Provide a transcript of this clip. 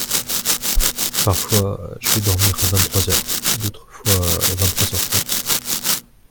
Parfois je vais dormir à vingt-trois heures, d’autres fois à vingt-trois heures trente.